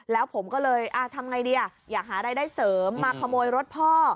แล้วผมก็เลยทำไงดีอยากหารายได้เสริมมาขโมยรถพ่อ